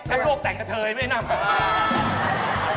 ฉันโลกแต่งกับเธอยังไม่ได้นำ